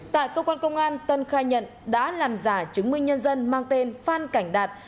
tại công an tân khai nhận đã làm giả chứng minh nhân dân mang tên phan cảnh đạt